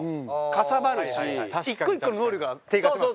１個１個の能力が低下しますよね。